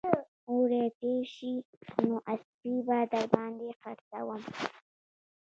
اوړي تېر شي نو اسپې به در باندې خرڅوم